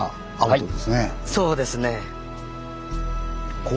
そうですね。